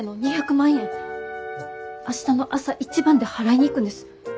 明日の朝一番で払いに行くんです。